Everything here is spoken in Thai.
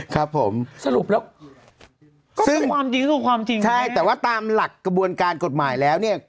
ครับผมสรุปแล้วซึ่งความจริงก็คือความจริงใช่แต่ว่าตามหลักกระบวนการกฎหมายแล้วเนี่ย